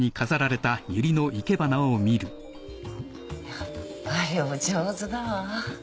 やっぱりお上手だわ。